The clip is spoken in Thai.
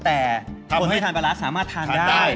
แต่คนที่ทานปลาร้าสามารถทานได้